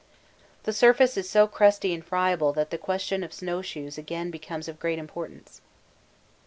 The surface is so crusty and friable that the question of snow shoes again becomes of great importance.